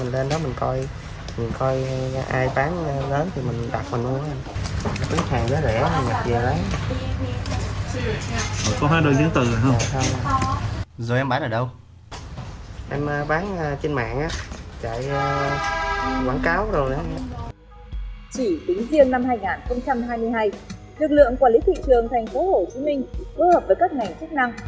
lực lượng quản lý thị trường thành phố hồ quỳnh minh phù hợp với các ngành chức năng